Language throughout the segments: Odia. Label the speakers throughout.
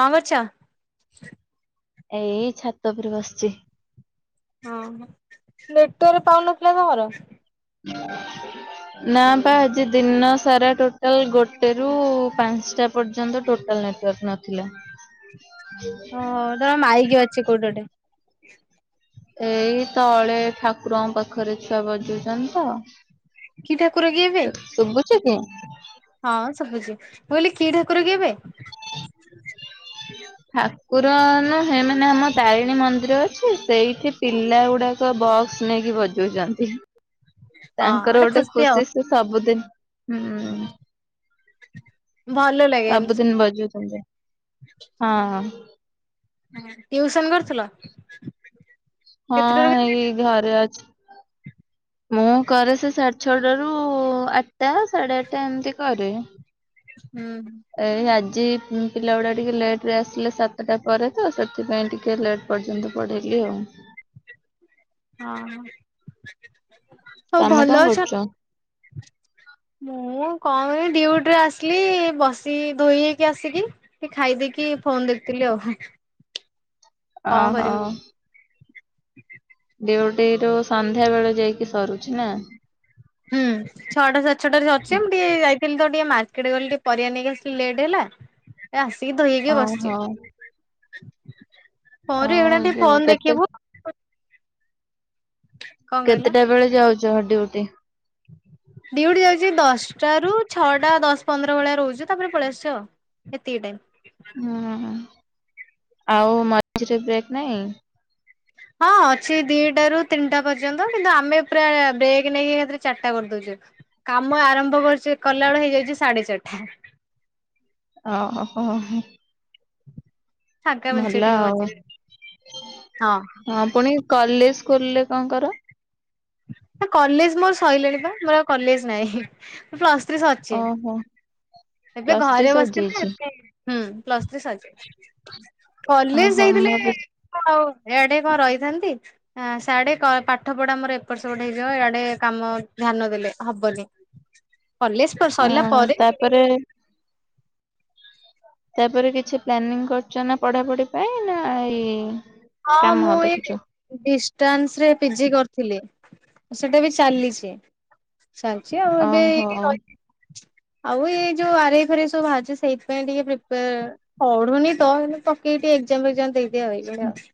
Speaker 1: କଣ କରୁଛ?
Speaker 2: ଏଇ-ଇ-ଇ ଛାତ ଉପରେ ବସିଛି।
Speaker 1: ହଁ ନେଟୱର୍କ ପାଉନଥିଲା ତମର।
Speaker 2: [unintelligible] ନା ବା ଆଜି ଦିନ ସାରା ଟୋଟାଲ ଗୋଟେ ରୁ-ଉ-ଉ-ଉ ପାଞ୍ଚଟା। ପର୍ଯ୍ୟନ୍ତ ଟୋଟାଲ ନେଟୱାର୍କ ନଥିଲା।
Speaker 1: ହଁ ଏଇଟା ମାଇକ୍ ବାଜୁଛି କୋଉଠି ଗୋଟେ।
Speaker 2: ଏଇ ତଳେ ଠାକୁରଙ୍କ ପାଖରେ ଛୁଆ ବଜୁଛନ୍ତି
Speaker 1: କି ଠାକୁର କି ଏବେ?
Speaker 2: ତ। ସୁବୁଚିକି?
Speaker 1: ହଁ ଶୁବୁଛି। ମୁଁ କହିଲି କି ଠାକୁର କି ଏବେ?
Speaker 2: ଠାକୁର ନୁହେ ମାନେ ଆମ ତାରିଣୀ ମନ୍ଦିର ଅଛି ସେଇଠି ପିଲା ଗୁଡା ଙ୍କ ବକ୍ସ୍ ନେଇକି ବଜଉଛନ୍ତି ତାଙ୍କର ଗୋଟେ ଖୁସି। ସେ ସବୁଦିନ ହୁଁ-ଉ-ଉ-ଉ।
Speaker 1: ଭଲ ଲାଗେ ଏମତି
Speaker 2: ହଁ-ଅ-ଅ-ଅ।
Speaker 1: ଟିଉସନ କରୁଥିଲ? କେତେଟାରୁ
Speaker 2: ହଁ-ଅ-ଅ
Speaker 1: କେତେ?
Speaker 2: ଏଇ ଘରେ ଅଛି। ମୁଁ କରେ ସେ ସାଢେ ଛଅଟା ରୁ ଆଠଟା ସାଢେ ଆଠଟା ଏମିତି କରେ।
Speaker 1: ହୁଁ।
Speaker 2: ଏଇ ଆଜି ପିଲା ଗୁଡା ଟିକେ ଲେଟେ ରେ ଆସିଲେ ସାତଟା ପରେ ତ ସେଥିପାଇଁ ଟିକେ ଲେଟ୍ ପର୍ଯ୍ୟନ୍ତ ପଢେଇଲି ଆଉ।
Speaker 1: ହଁ ହଁ।
Speaker 2: ତମେ କଣ କରୁଛ?
Speaker 1: ମୁଁ କଣି ଡଉଟିରେ ଆସିଲି। ବସି ଧୋଇ ହେଇକି ଆସିକି। ଏଇ ଖାଇ ଦେଇକି ଫୋନ୍ ଦେଖୁଥିଲି ଆଉ। କଣ
Speaker 2: ଓହୋ।
Speaker 1: କରିବି।
Speaker 2: ଡିୟୁଟି ରୁ ସନ୍ଧ୍ୟା ବେଳେ ଯାଇକି ସରୁଚି ନା।
Speaker 1: ହୁଁ ଛଅଟା ସାଢେ ଛଅଟାରେ ସରୁଚି। ମୁଁ ଟିକେ ଯାଇ ଯାଇଥିଲି ତ ଟିକେ ମାର୍କେଟ ଗଲି। ଟିକେ ପରିବା ନେଇକି ଆସିଲି ଲେଟ୍ ହେଲା। ଏ ଆସିକି ଧୋଇ ହେଇକି ବସିଛି।
Speaker 2: ଓହୋ
Speaker 1: ପରେ
Speaker 2: ଆଉ
Speaker 1: ଏଇଗୁଡା ଟିକେ
Speaker 2: ଯୋଉ
Speaker 1: ଫୋନ
Speaker 2: କେତେ
Speaker 1: ଦେଖିବୁ। କଣ କହିଲ?
Speaker 2: କେତେଟା ବେଳେ ଯାଉଚ ଡ୍ୟୁଟି?
Speaker 1: ଡ୍ୟୁଟି ଯାଉଚି ଏଇ ଦଶଟା ରୁ ଛଅଟା ଦଶ୍ ପନ୍ଦର ଭଳିଆ ରହୁଚୁ ତାପରେ ପଳେଇ ଆସୁଚୁ ଆଉ। ଏତିକି ଟାଇମ୍।
Speaker 2: ହୁଁ ଆଉ ମଝିରେ ବ୍ରେକ୍ ନାଇଁ?
Speaker 1: ହଁ ଅଛି ଦିଟା ରୁ ତିନିଟା ପର୍ଯ୍ୟନ୍ତ। କିନ୍ତୁ ଆମେ ପୁରା ବ୍ରେକ୍ ନେଇକି ଏକାଥରେ ଚାରିଟା କରିଦୋଉଚୁ। କାମ ଆରମ୍ଭ କରୁଛେ କଲାବେଳେ ହେଇଯାଇଚି ସାଢେ ଚାରିଟା।
Speaker 2: ଓହୋ ହୋ।
Speaker 1: ଫାଙ୍କା ମିଳୁଛି
Speaker 2: ଭଲ
Speaker 1: ଟିକେ
Speaker 2: ଆଉ।
Speaker 1: ମଝିରେ।
Speaker 2: ହଁ ଫୁଣି କଲେଜ୍ ଖୋଲିଲେ କଣ କର?
Speaker 1: ନା କଲେଜ୍ ମୋର୍ ସଇଲାଣି ପା। ମୋର୍ ଆଉ କଲେଜ୍ ନାହିଁ। ପ୍ଲସ ଥ୍ରି ସରଚି।
Speaker 2: ଓହୋ
Speaker 1: ଏବେ
Speaker 2: ପ୍ଲସ୍ ଥ୍ରୀ
Speaker 1: ଘରେ ବସିଥିଲି
Speaker 2: ସରିଯାଇଛି?
Speaker 1: ହେଥିପାଇଁ ହୁଁ ପ୍ଲସ ଥ୍ରୀ ସରିଯାଇଚି। କଲେଜ
Speaker 2: ଓହୋ ମୁଁ
Speaker 1: ଯାଇଥିଲେ।
Speaker 2: ଭାବୁଛି
Speaker 1: ହଉ ଏଆଡେ କଣ ରହିଥାନ୍ତି। ସେଆଡେ ପାଠ ପଢା ଆମର ପର ସେପଟ ହେଇଯିବ ଇଆଡେ କାମ ଧ୍ୟାନ ଦେଲେ ହବନି। କଲେଜ ସଇଲା ପରେ।
Speaker 2: ତା ପରେ ତାପରେ କିଛି ପ୍ଲାନିଂ କରିଚ ନା ପଢାପଢି ପାଇଁ ନା ଏଇ
Speaker 1: ହଁ ମୁଁ
Speaker 2: କାମ ଦେଖୁଛ?
Speaker 1: ଏଇ ଡିଷ୍ଟାନ୍ସ ରେ ପିଜି କରଥିଲି। ସେଟା ବି ଚାଲିଛି। ଚାଲିଚି ଆଉ ଏବେ
Speaker 2: ଓହୋ
Speaker 1: ଏଇଟି ରହିକି ଆଉ ଏଇ ଯୋଉ ଆରେଇ ଫାରେଇ ସବୁ ବାହାରିଚି। ସେଇଥି ପାଇଁ ଟିକେ ପ୍ରିପେୟାର ପଢୁନି ତ ହେଲେ ପକେଇକି ଟିକେ ଏଗଜାମ୍ ଫେଗଜାମ୍ ଦେଇଦିଏ ଏଇଭଳିଆ ଆଉ।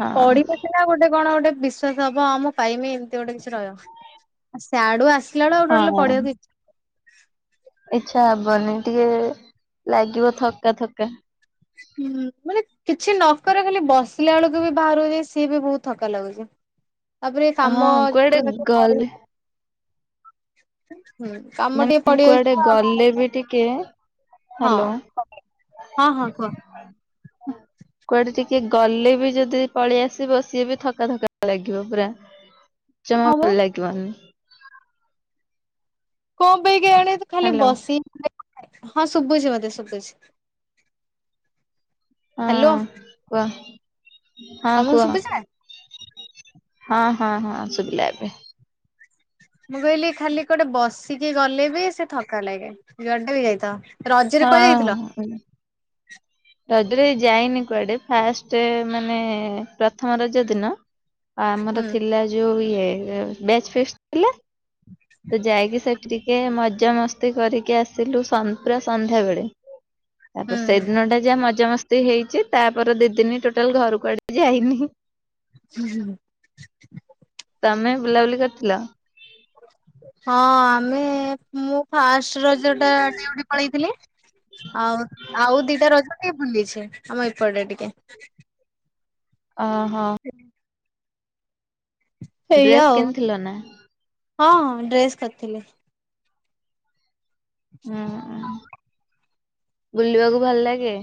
Speaker 2: ହଁ
Speaker 1: ପଢିବା ସିନା ଗୋଟେ କଣ ଗୋଟେ ବିଶ୍ଵାସ୍ ହବ। ହଁ ମୁଁ ପାଇମି ଏମିତି ଗୋଟେ କିଛି ରହିବ। ସ୍ୟାଡୁ ଆସିଲା ବେଳୁ ଆଉ ଟୋଟାଲି
Speaker 2: ହଁ
Speaker 1: ପଢିବାକୁ ଇଚ୍ଛା
Speaker 2: ଇଚ୍ଛା ହବନି। ଟିକେ ଲାଗିବ ଥକା ଥକା।
Speaker 1: ହୁଁ ମାନେ କିଛି ନ କର ଖାଲି ବସିଲା ବେଳକୁ ବି ବାହାରୁକୁ ଯାଇ ସିଏ ବି ବହୁତ୍ ଥକା ଲାଗୁଚି। ତାପରେ କାମ
Speaker 2: ହଁ କୁଆଡେ
Speaker 1: କୋଉ ଦିନ କେମିତି ପଡୁଚି।
Speaker 2: ଗଲେ
Speaker 1: ହୁଁ। କାମ ଟିକେ
Speaker 2: ମାନେ
Speaker 1: ପଡିଯାଉଛି
Speaker 2: କୁଆଡେ
Speaker 1: ତ
Speaker 2: ଗଲେ ବି ଟିକେ
Speaker 1: ହଁ
Speaker 2: ହ୍ୟାଲୋ।
Speaker 1: ହଁ ହଁ କୁହ
Speaker 2: [unintelligible]
Speaker 1: [inaudible]
Speaker 2: କୁଆଡେ ଟିକେ ଗଲେ ବି ଯଦି ପଳେଇ ଆସିବ। ସିଏ ବି ଥକା ଥକା ଲାଗିବ ପୁରା। ଜମା
Speaker 1: ହଁ ବା
Speaker 2: ଭଲ ଲାଗିବନି।
Speaker 1: କଣ ପାଇଁ କେଇଆଣି ଖାଲି
Speaker 2: ହ୍ୟାଲୋ
Speaker 1: ବସି ହଁ ଶୁଭୁଚି ମତେ ଶୁଭୁଚି।
Speaker 2: ହଁ
Speaker 1: ହାଲୋ।
Speaker 2: କୁହ ହଁ କୁହ।
Speaker 1: ଶୁଭୁଛି?
Speaker 2: ହଁ ହଁ ହଁ ସୁୁବିଲା ଏବେ।
Speaker 1: ମୁଁ କହିଲି ଖାଲି କୋଟେ ବସିକି ଗଲେ ବି ସେ ଥକା ଲାଗେ। ଯୁଆଡେ ବି ଯାଇଥାଅ। ରଜରେ କୁଆଡେ ଯାଇଥିଲ?
Speaker 2: ହଁ ରଜରେ ଯାଇନି କୁଆଡେ। ଫାଷ୍ଟେ ମାନେ ପ୍ରଥମ ରଜ ଦିନ ଆମର
Speaker 1: ହୁଁ।
Speaker 2: ଥିଲା ଯୋଉ ଇଏ, ବ୍ୟାଚ୍ ଫିଷ୍ଟ୍ ଥିଲା। ତ ଯାଇକି ସେଇଠି ଟିକେ ମଜା ମସ୍ତ ମସ୍ତି କରିକି ଆସିଲୁ ସନ୍ ପୁରା ସନ୍ଧ୍ୟାବେଳେ। ତାପରେ ସେଇ
Speaker 1: ହୁଁ
Speaker 2: ଦିନଟା ଯାହା ମଜା ମସ୍ତି ହେଇଚି, ତାପରେ ଦି ଦିନ ଟୋଟାଲ୍ ଘରୁ କୁଆଡେ ଯାଇନି।
Speaker 1: ହୁଁ ଉଁ।
Speaker 2: ତମେ ବୁଲାବୁଲି କରିଥିଲ?
Speaker 1: ହଁ, ଆମେ ମୁଁ ଫାଷ୍ଟେ ରଜଟା ଡିୟୁଟି ପଳେଇଥିଲି। ଆଉ ଆଉ ଦିଟା ରଜରେ ବୁଲିଛେ, ଆମ ଏପଟେ ଟିକେ।
Speaker 2: ଅ ହ।
Speaker 1: [unintelligible] ସେଇଆ
Speaker 2: ଡ୍ରେସ୍
Speaker 1: ଆଉ।
Speaker 2: କିଣିଥିଲ ନା?
Speaker 1: ହଁ ଡ୍ରେସ୍ କରିଥିଲେ।
Speaker 2: ହୁଁ ହୁଁ। ବୁଲିବାକୁ ଭଲ ଲାଗେ?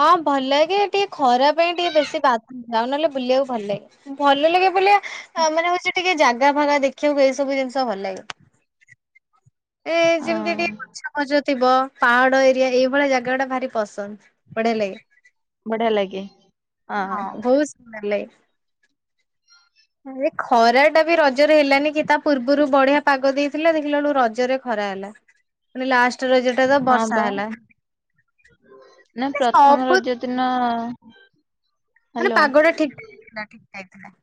Speaker 1: ହଁ ଭଲ ଲାଗେ, ଟିକେ ଖରା ପାଇଁ ଟିକେ ବେଶୀ ବାଧେ, ଆଉ ନହେଲେ ବୁଲିବାକୁ ଭଲ ଲାଗେ। ଭଲ ଲାଗେ ବୁଲିଆକୁ, ମାନେ ହଉଛି ଟିକେ ଜାଗା ଫାଗା ଦେଖିବାକୁ ଏଇ ସବୁ ଜିନିଷ ଭଲ ଲାଗିବ। ଏ ଯେମତି
Speaker 2: ହଁ
Speaker 1: ଟିକେ ଗଛ ଫଛ ଥିବ, ପାହାଡ ଏରିଆ ଏଇଭଳିଆ ଜାଗା ଗୁଡ଼ା ଭାରି ପସନ୍ଦ, ବଢିଆ ଲାଗେ।
Speaker 2: ବଢିଆ ଲାଗେ
Speaker 1: ହଁ ବହୁତ ସୁନ୍ଦର ଲାଗେ। ଆରେ ଖରାଟା ବି ରଜରେ ହେଲାନି କି, ତା ପୂର୍ବୁରୁ ବଢିଆ ପାଗ ଦେଇଥିଲା ଦେଖିଲା ବେଳକୁ ରଜରେ ଖରା ହେଲ ଲା। ମାନେ ଲାଷ୍ଟ ରଜଟା ତ
Speaker 2: ହଁ
Speaker 1: ବର୍ଷା
Speaker 2: ବା
Speaker 1: ହେଲା।
Speaker 2: ନା
Speaker 1: ଏ
Speaker 2: ପ୍ରଥମ
Speaker 1: ସବୁ
Speaker 2: ରଜ ଦିନ
Speaker 1: ମାନେ
Speaker 2: ହ୍ୟାଲୋ ହଁ।
Speaker 1: ପାଗଟା ଠିକ୍ ଠାକ୍ ଥିଲା, ଠିକ୍ ଠାକ୍ ଥିଲା।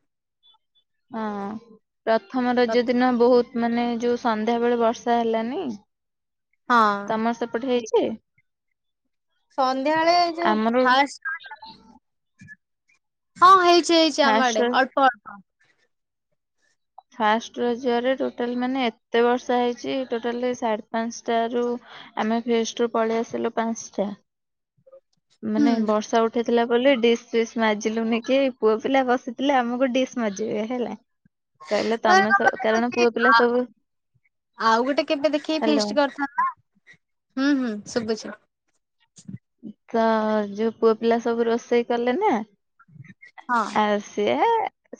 Speaker 2: ହଁ। ପ୍ରଥମ ରଜ ଦିନ
Speaker 1: ପ୍ରଥମ
Speaker 2: ବହୁତ ମାନେ ଯୋଉ ସନ୍ଧ୍ୟାବେଳେ ବର୍ଷା ହେଲାନି,
Speaker 1: ହଁ
Speaker 2: ତମର ସେପଟେ ହେଇଛି?
Speaker 1: ସନ୍ଧ୍ୟାବେଳେ ଯୋଉ
Speaker 2: ଆମର
Speaker 1: ଫାଷ୍ଟ ହଁ ହେଇଛି ହେଇଛି ଆମ ଆଡେ,
Speaker 2: ଫାଷ୍ଟ
Speaker 1: ଅଳ୍ପ ଅଳ୍ପ।
Speaker 2: ଫାଷ୍ଟ ରଜରେ ଟୋଟାଲ ମାନେ ଏତେ ବର୍ଷା ହେଇଛି ଯେ, ଟୋଟାଲି ସାଢ଼େ ପାଞ୍ଚଟାରୁ ଆମେ ଫିଷ୍ଟରୁ ପଳେଇ ଆସିଲୁ ପାଞ୍ଚଟା
Speaker 1: ହୁଁ
Speaker 2: ମାନେ ବର୍ଷା ଉଠ ଉଠେଇଥିଲା ବୋଲି ଡିସ୍ ଫିସ୍ ମାଜିଲୁନି କି ପୁଅ ପିଲା ବସିଥିଲେ ଆମକୁ ଡିସ୍ ମାଜିବେ ହେଲା। କହିଲେ
Speaker 1: ତାପରେ
Speaker 2: ତମେ ସବୁ
Speaker 1: କଣ
Speaker 2: କାରଣ
Speaker 1: ମାନେ
Speaker 2: ପୁଅ ପିଲା
Speaker 1: ଆ
Speaker 2: ସବୁ
Speaker 1: ଆଉ ଗୋଟେ କେବେ ଦେଖିକି
Speaker 2: ହ୍ୟାଲୋ
Speaker 1: ଫିଷ୍ଟ କରିଥାନ୍ତ ନା। ହୁଁ ହୁଁ, ଶୁଭୁଛି।
Speaker 2: ତ ଯୋଉ ପୁଅ ପିଲା ସବୁ ରୋଷେଇ କଲେ ନା
Speaker 1: ହଁ।
Speaker 2: ଆଉ ସିଏ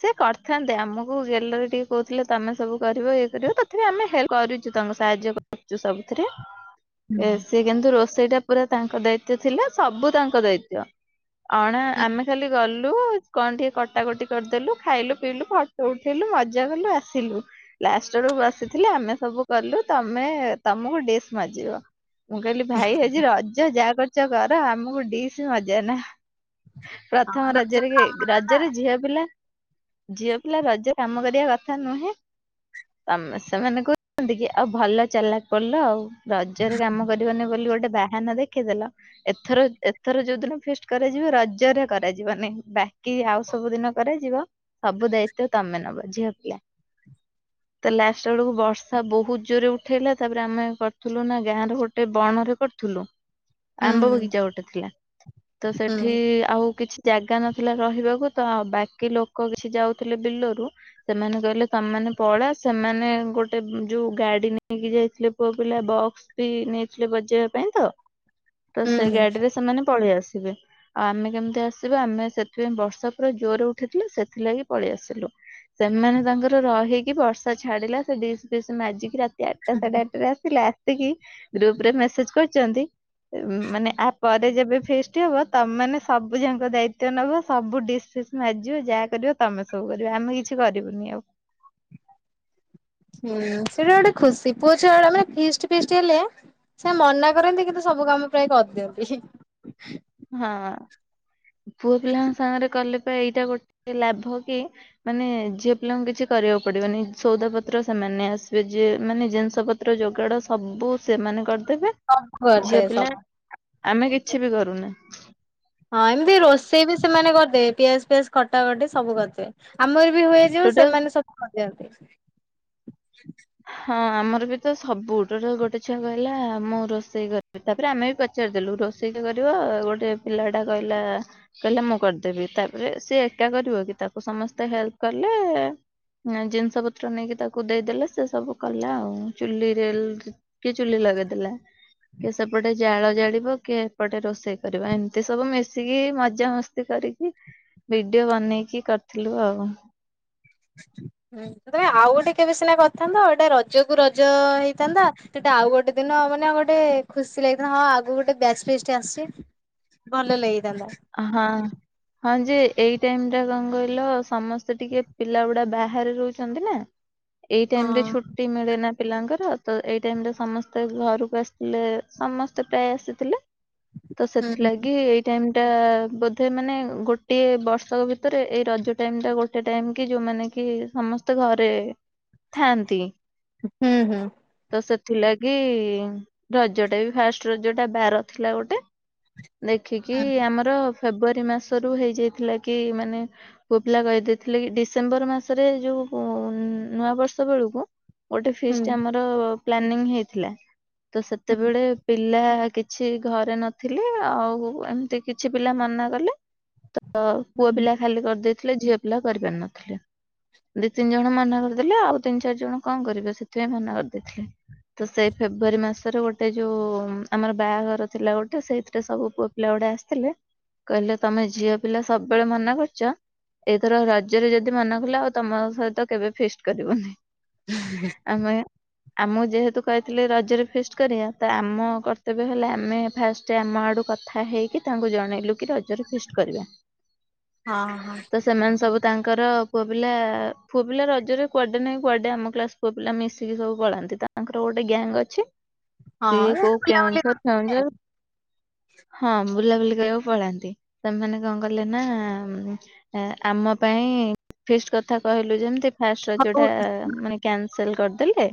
Speaker 2: ସେ କରିଥାନ୍ତେ, ଆମକୁ ଗେଲରେ ଟିକେ କହୁଥିଲେ ତମେ ସବୁ କରିବ, ଇଏ କରିବ, ତଥାପି ଆମେ ହେଲ୍ପ କରି ଚୁ, ତାଙ୍କୁ ସାହାଯ୍ୟ କରୁଛୁ ସବୁଥିରେ
Speaker 1: ହୁଁ।
Speaker 2: ଏ ସେ କିନ୍ତୁ ରୋଷେଇଟା ପୁରା ତାଙ୍କ ଦାୟିତ୍ୱ ଥିଲା, ସବୁ ତାଙ୍କ ଦାୟିତ୍ୱ। ଅଣା
Speaker 1: ହୁଁ
Speaker 2: ଆମେ ଖାଲି ଗଲୁ, କଣ ଟିକେ କଟାକଟି କରିଦେଲୁ, ଖାଇଲୁ ପିଇଲୁ, ଫଟୋ ଉଠେଇଲୁ, ମଜା କଲୁ ଆସିଲୁ। ଲାଷ୍ଟ ବେଳକୁ ବସିଥିଲେ ଆମେ ସବୁ କଲୁ, ତମେ ତମକୁ ଡିସ୍ ମାଜିବ। ମୁଁ କହିଲି ଭାଇ, ଆଜି ରଜ ଯାହା କରୁଚ କର ଆମକୁ ଡିସ୍ ମଜାନା।
Speaker 1: ହଁ
Speaker 2: ପ୍ରଥମ
Speaker 1: ରଜ
Speaker 2: ରଜରେ କିଏ
Speaker 1: ଆମର ନା
Speaker 2: ରଜରେ ଝିଅ ପିଲା ଝିଅ ପିଲା ରଜ କାମ କରିବା କଥା ନୁହେଁ ତ ଆମେ ସେମାନେ କହୁଛନ୍ତି କି, ଆଉ ଭଲ ଚାଲାକ ପଡ଼ିଲ ଆଉ। ରଜରେ କାମ କରିବନି ବୋଲି ଗୋଟେ ବାହାନା ଦେଖେଇଦେଲ। ଏଥର ଏଥର ଯୋଉ ଦିନ ଫିଷ୍ଟ କରାଯିବ, ରଜରେ କରାଯିବନେହିଁ। ବାକି ଆଉ ସବୁ ଦିନ କରାଯିବ ସବୁ ଦାୟିତ୍ଵ ତମେ ନବ ଝିଅ ପିଲା। ତ ଲାଷ୍ଟ ବେଳକୁ ବର୍ଷା ବହୁତ ଜୋରରେ ଉଠେଇଲା ତାପରେ ଆମେ କରୁଥିଲୁ ନା ଗାଁରେ ଗୋଟେ ବଣରେ କରୁଥିଲୁ।
Speaker 1: ହୁଁ
Speaker 2: ଆମ୍ବ ବଗିଚା ଗୋଟେ ଥିଲା। ତ
Speaker 1: ହୁଁ
Speaker 2: ସେଠି ଆଉ କିଛି ଜାଗା ନଥିଲା ରହିବାକୁ, ତ ଆଉ ବାକି ଲୋକ କିଛି ଯାଉଥିଲେ ବିଲରୁ। ସେମାନେ କହିଲେ ତମେମାନେ ପଳା ସେମାନେ ଗୋଟେ ଯୋଉ ଗାଡି ନେଇକି ଯାଇଥିଲେ ପୁଅ ପିଲା ବକ୍ସ। ବି ନେଇଥିଲେ ବଜେଇବା ପାଇଁ ତ ତ
Speaker 1: ହୁଁ
Speaker 2: ସେ
Speaker 1: ହୁଁ।
Speaker 2: ଗାଡିରେ ସେମାନେ ପଳେଇ ଆସିବେ। ଆମେ କେମିତି ଆସିବୁ, ଆମେ ସେଥିପାଇଁ ବର୍ଷା ପୁରା ଜୋରରେ ଉଠେଇଥିଲା ସେଥିଲାଗି ପଳେଇ ଆସିଲୁ। ସେମାନେ ତାଙ୍କର ରହିକି ବର୍ଷା ଛାଡିଲା, ସେ ଡିଶ ଫିସ୍ ମାଜିକି ରାତି ଆଠଟା ସାଢେ ଆଠଟା ରେ ଆସିଲେ, ଆସିକି ଗ୍ରୁପ ରେ ମେସେଜ କରୁଛନ୍ତି। ମାନେ ଆ ପରେ ଯେବେ ଫିଷ୍ଟ ହବ ତମେମାନେ ସବୁ ଯାକ ଦାୟିତ୍ଵ ନବ ସବୁ ଡିସ୍ ଫିସ। ମାଜିବ ଯାହା କରିବ ତମେ ସବୁ କରିବ ଆମେ କିଛି କରିବୁନି ଆଉ।
Speaker 1: ହୁଁ ସେଟା ଗୋଟେ ଖୁସି। ପୁଅ ଛୁଆମାନେ ଫିଟଷ୍ଟ ଫିଷ୍ଟ ହେଲେ ସେ ମନା କରନ୍ତି କିନ୍ତୁ ସବୁ କାମ ପ୍ରାୟ କରିଦିଅନ୍ତି ହିଁ।
Speaker 2: ହଁ ପୁଅ ପିଲାଙ୍କ ସାଙ୍ଗରେ କଲେ ବା ଏଇଟା ଗୋଟେ ଲାଭ କି ମାନେ ଝିଅ ପିଲାଙ୍କୁ କିଛି କରିବାକୁ ପଡିବନି ସଉଦା ପତ୍ର ସେମାନେ ନେଇ ଆସିବେ ଯିଏ ମାନେ ଜିନିଷ ପ ତ୍ର ଯୋଗାଡ଼ ସବୁ ସେମାନେ କରିଦେବେ।
Speaker 1: ସବୁ କରିଦେବେ
Speaker 2: ଝିଅ ପିଲା
Speaker 1: ସବୁ।
Speaker 2: ଆମେ କିଛି ବି କରୁନେ।
Speaker 1: ହଁ ଏମିତି ରୋଷେଇ ବି ସେମାନେ କରିଦେବେ ପିଆଜ ପିଆଜ କଟା କଟି ସବୁ କରିଦେବେ। ଆମର ବି ହୁଏ ଯୋଉ
Speaker 2: ଟୋଟାଲ
Speaker 1: ସେମାନେ ସବୁ କରି ଦିଅନ୍ତି।
Speaker 2: ହଁ ଆମର ବି ତ ସବୁ ଟୋଟାଲ୍ ଗୋଟେ ଛୁଆ କହିଲା ମୁଁ ରୋଷେଇ କରିବି ତାପରେ ଆମେ ବି ପଚ ପଚାରିଦେଲୁ ରୋଷେଇ କିଏ କରିବ ଗୋଟେ ପିଲାଟା କହିଲା। କହିଲା ମୁଁ କରିଦେବି‌ ତାପରେ ସିଏ ଏକା କରିବ କି ତାକୁ ସମସ୍ତେ ହେଲ୍ପ କଲେ। ନାଁ ଜିନିଷ ପତ୍ର ନେଇକି ତାକୁ ଦେଇଦେଲେ। ସେ ସବୁ କଲା ଆଉ ଚୁଲିରେ କିଏ ଚୁଲି ଲଗେଇଦେଲା। କିଏ ସେପଟେ ଜାଳ ଜାଳିବ‌। କିଏ ଏପଟେ ରୋଷେଇ କରିବା ଏମିତି ସବୁ ମିଶିକି ମଜା ମସ୍ତି କରିକି। ଭିଡିଓ ବନେଇକି କରିଥିଲୁ ଆଉ।
Speaker 1: ହୁଁ। ସେତେବେଳେ ଆଉ ଗୋଟେ କେବେ ସିନା କରିଥାନ୍ତ ଏଟା ରଜ କୁ ରଜ ହେଇଥାନ୍ତା ସେଟା ଆଉ ଗୋଟେ ଦିନ ମାନେ ଗୋଟେ ଖୁସି ଲାଗିିଥାନ୍ତା ହଁ ଆଗକୁ ଗୋଟେ ବ୍ୟାଚ୍ ଫିସ୍ଟ ଆସୁଛି। ଭଲ ଲାଗିଥାନ୍ତା।
Speaker 2: ହଁ। ହଁ ଯେ ଏଇ ଟାଇମ ଟା କଣ କହିଲ ସମସ୍ତେ ଟିକେ ପିଲା ଗୁଡା ବାହାରେ ରହୁଛନ୍ତି ନା।
Speaker 1: [inaudible]
Speaker 2: ଏଇ ଟାଇମ ରେ ଛୁଟ ଟି ମିଳେ ନା ପିଲାଙ୍କର। ତ ଏଇ ଟାଇମରେ ସମସ୍ତେ ଘରକୁ ଆସିଥିଲେ ସମସ୍ତେ ପ୍ରାୟ ଆସିଥିଲେ।
Speaker 1: [inaudible]
Speaker 2: ତ
Speaker 1: ହୁଁ
Speaker 2: ସେଥିଲାଗି ଏଇ ଟାଇମ। ଟା ବୋଧେ ମାନେ ଗୋଟିଏ ବର୍ଷକ ଭିତରେ ଏଇ ରଜ ଟାଇମ ଟା ଗୋଟେ ଟାଇମ୍ କି ଯେଉଁମାନେ କି ସମସ୍ତେ ଘରେ ଥାଆନ୍ତି।
Speaker 1: ହୁଁ ହୁଁ
Speaker 2: ତ ସେଥିଲାଗି ରଜ ଟା ବି ଫାଷ୍ଟ ରଜ ଟା ବାର ଥିଲା ଗୋଟେ। ଦେଖିକି ଆମର ଫେବୃଆରୀ ମାସରୁୁ ହେଇଯାଇଥିଲା କି ମାନେ ପୁ୍ଅପିଲା କହିଦେଇଥିଲେ କି ଡିସେମ୍ବର ମାସରେ ଯୋଉ ନୂଆ ବର୍ଷ ବେଳକୁ। ଗୋଟେ
Speaker 1: ହୁଁ।
Speaker 2: ଫିସ୍ଟ ଆମର ପ୍ଲାନିଂ ହେଇଥିଲା ‌ତ
Speaker 1: ହୁଁ
Speaker 2: ସେତେବେଳେ। ପିଲା କିଛି ଘରେ ନଥିଲେ ଆଉ ଏମିତି କିଛି ପିଲା ମନା କଲେ। ତ ପୁଅ ପିଲା ଖାଲି କରି ଦେଇଥିଲେ‌ ଝିଅ ପିଲା କରିପାରି ନଥିଲେ। ଦି ତିନି ଜଣ ମନା କରିଦେଲେ ଆଉ ତିନି ଚାରି ଜଣ କଣ କରିବେ ସେଥିପାଇଁ ମନା କରିଦେଇଥିଲେ। ତ ସେଇ ଫେବୃଆାରୀ ମାସରେ ଗୋଟେ ଯୋଉ ଆମର ବାହାଘର ଥିଲା ଗୋଟେ ସେଇଥିରେ ସବୁ ପୁଅ ପିଲା ଗୁଡା ଆସି ଥିଲେ‌ କହିଲେ ତମେ ଝିଅ ପିଲା ସବୁ ବେଳେ ମନା କରୁଛ। ଏଇଥର ରଜରେ ଯଦି ମନା କଲ ଆଉ ତମ ସହିତ କେବେ ଫିଷ୍ଟ କରିବୁନି।
Speaker 1: ହୁଁ ହୁଁ।
Speaker 2: ଆମେ ଆମକୁ ଯେହେତୁ କହିଥିଲେ ରଜରେ ଫିଷ୍ଟ କରିବା ତ ଆମ କର୍ତ୍ତବ୍ୟ ହେଲେ ଆମେ ଫାଷ୍ଟ ସୋଆମ ଆଡ଼ୁ କଥା ହେଇକି ତାଙ୍କୁ ଜଣେଇଲୁ କି ରଜରେ ଫିଷ୍ଟ କରିବା
Speaker 1: ହଁ ହଁ।
Speaker 2: ତ ସେମାନେ ସବୁ ତାଙ୍କର ପୁଅ ପିଲା ପୁଅ ପିଲା ରଜରେ କୁଆଡ଼େ ନାହିଁ କୁଆଡ଼େ ଆମ କ୍ଲାସ୍ ପୁଅ ପିଲା ମିଶିକି ସବୁ ପଳାନ୍ତି ତା ତାଙ୍କର ଗୋଟେ ଗ୍ୟାଙ୍ଗ ଅଛି।
Speaker 1: ହଁ
Speaker 2: ସିଏ କୋଉ
Speaker 1: ବୁଲାବୁଲି
Speaker 2: କେଉଁଝର
Speaker 1: କରିଥିଲେ
Speaker 2: ରାମଯଲ
Speaker 1: ଆଉ।
Speaker 2: ହଁ ହୁଁ। ବୁଲାବୁଲି କରିବାକୁ ପଳାନ୍ତି ସେମାନେ କଣ କଲେ ନା ଆ ଆମ ପାଇଁ ଫିଷ୍ଟ କଥା କହିଲୁ ଯେମିତି ଫାଷ୍ଟ ରଜ
Speaker 1: ହଉ
Speaker 2: ଟା ମାନେ କ୍ୟାନସଲେ କରିଦେଲେ।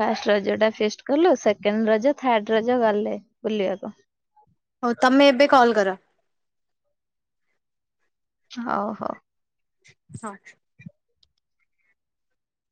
Speaker 2: ଫାଷ୍ଟ ରଜ ଟା ଫିଷ୍ଟ୍ କଲୁ ସେକେଣ୍ଡ ରଜ ଥାଡ଼େ ରଜ ଗଲେ ବୁଲିବାକୁ।
Speaker 1: ହଉ ତମେ ଏବେ କଲ କରିଥିଲ।
Speaker 2: ହଉ ହଉ।
Speaker 1: ହଁ।